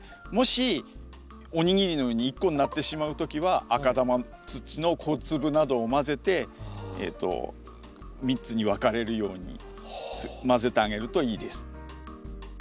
もしお握りのように１個になってしまう時は赤玉土の小粒などを混ぜて３つに分かれるように混ぜてあげるといいです。